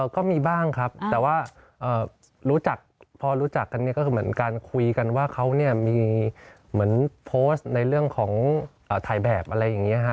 ก็มีบ้างครับแต่ว่ารู้จักพอรู้จักกันเนี่ยก็คือเหมือนการคุยกันว่าเขามีเหมือนโพสต์ในเรื่องของถ่ายแบบอะไรอย่างนี้ฮะ